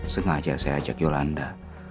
sengaja saya ajak yolanda